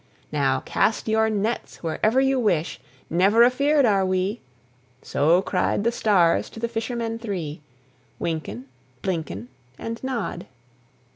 "Now cast your nets wherever you wish, Never afeard are we!" So cried the stars to the fishermen three, Wynken, Blynken, And Nod.